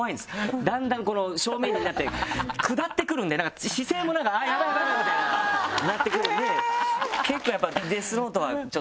だんだん正面になって下ってくるんで姿勢もヤバいヤバい！みたいななってくるんで結構やっぱ。